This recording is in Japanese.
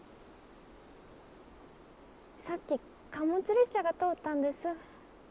さっき貨物列車が通ったんです。